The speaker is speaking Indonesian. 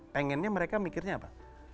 pengennya mereka mikirnya apa